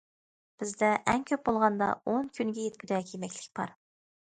بىزدە ئەڭ كۆپ بولغاندا ئون كۈنگە يەتكۈدەك يېمەكلىك بار.